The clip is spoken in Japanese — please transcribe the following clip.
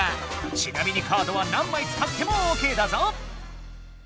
ちなみにカードは何枚つかってもオーケーだぞ！